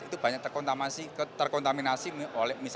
itu banyak terkontaminasi oleh